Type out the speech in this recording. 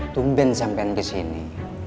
tumben sampe kesini